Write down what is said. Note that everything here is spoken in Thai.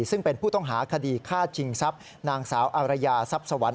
ซึ่งเป็นผู้ต้องหาคดีฆ่าชิงทรัพย์นางสาวอารยาทรัพย์สวรรค